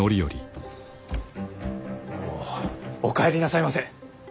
お帰りなさいませ。